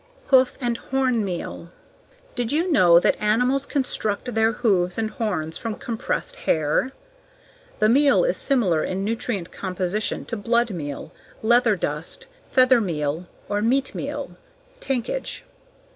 Hoof and horn meal. Did you know that animals construct their hooves and horns from compressed hair? The meal is similar in nutrient composition to blood meal, leather dust, feather meal, or meat meal (tankage).